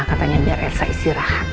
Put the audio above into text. katanya biar elsa istirahat